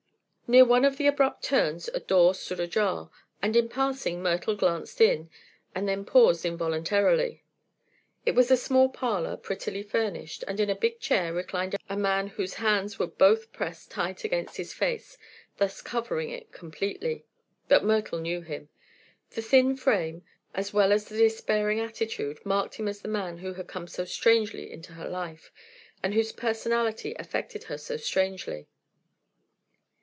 Near one of the abrupt turns a door stood ajar, and in passing Myrtle glanced in, and then paused involuntarily. It was a small parlor, prettily furnished, and in a big chair reclined a man whose hands were both pressed tight against his face, thus covering it completely. But Myrtle knew him. The thin frame, as well as the despairing attitude, marked him as the man who had come so strangely into her life and whose personality affected her so strangely.